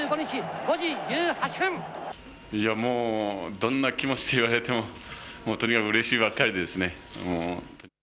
どんな気持ちと言われてもとにかくうれしいばっかりですね。